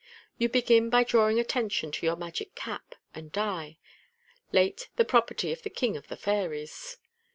You begin by drawing attention to your magic cap and die, late the property of the king of the fairies.